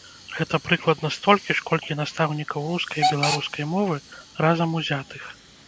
Гэта прыкладна столькі ж, колькі настаўнікаў рускай і беларускай мовы разам узятых.